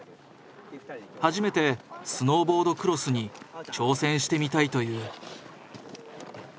初めてスノーボードクロスに挑戦してみたいという。